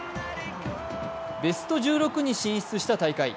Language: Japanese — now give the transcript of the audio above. ベスト１６に進出した大会。